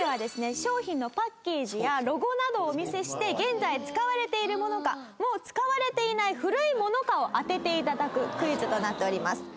商品のパッケージやロゴなどをお見せして現在使われているものかもう使われていない古いものかを当てて頂くクイズとなっております。